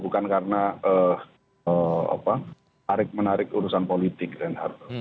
bukan karena menarik urusan politik dan hal itu